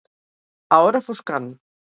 A hora foscant.